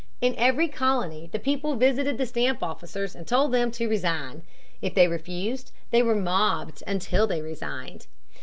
In every colony the people visited the stamp officers and told them to resign. If they refused, they were mobbed until they resigned.